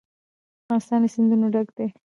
افغانستان له سیندونه ډک دی.